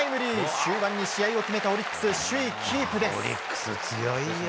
終盤に試合を決めたオリックス首位キープです。